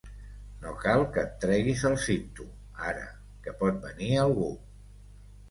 No cal que et treguis el cinto, ara, que pot venir algú.